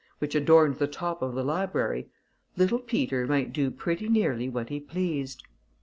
which adorned the top of the library, little Peter might do pretty nearly what he pleased.